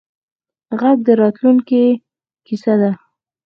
غږ د راتلونکې کیسه ده